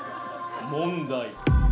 「問題。